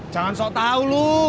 jangan sok tau lu